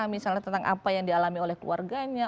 misalnya tentang apa yang dialami oleh keluarganya